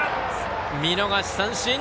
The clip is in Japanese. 見逃し三振！